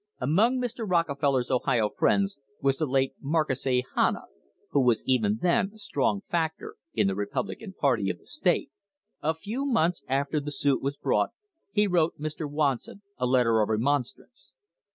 Among Mr. Rockefeller's Ohio friends was the late Marcus A. Hanna, who was even then a strong factor in the Republican party of the state. A few months after the suit was brought he wrote Mr. Watson a letter of remonstrance.